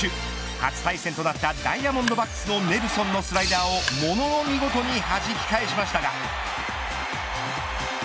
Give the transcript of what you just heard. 初対戦となったダイヤモンドバックスのネルソンのスライダーをものの見事にはじき返しましたが。